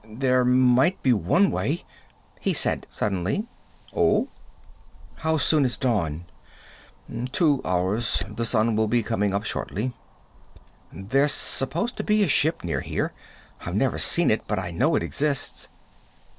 "There might be one way," he said suddenly. "Oh?" "How soon is dawn?" "Two hours. The sun will be coming up shortly." "There's supposed to be a ship near here. I've never seen it. But I know it exists."